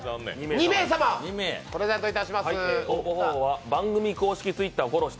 ２名様プレゼントいたします。